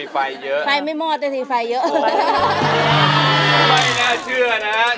ไฟเยอะปะค่ะ